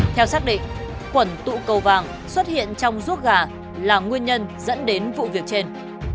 theo xác định quẩn tụ cầu vàng xuất hiện trong ruốc gà là nguyên nhân dẫn đến vụ việc trên